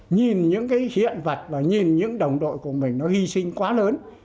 nhìn những cái hiện vật và nhìn những đồng đội của mình nó hy sinh quá lớn